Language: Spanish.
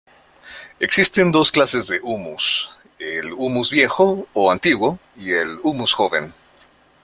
Existen dos clases de humus, el humus viejo o antiguo y el humus joven.